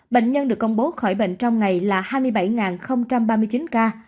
bệnh nhân được công bố khỏi bệnh trong ngày là hai mươi bảy ba mươi chín ca